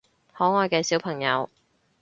可愛嘅小朋友